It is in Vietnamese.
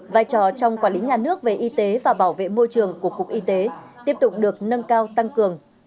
vai trò trong quản lý nhà nước về y tế và bảo vệ môi trường của cục y tế tiếp tục được nâng cao tăng cường